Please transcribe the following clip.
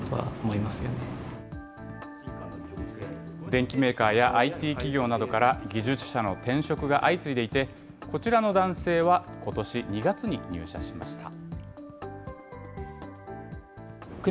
電機メーカーやＩＴ企業などから技術者の転職が相次いでいて、こちらの男性はことし２月に入社しました。